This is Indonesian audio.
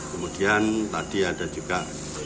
kemudian tadi ada juga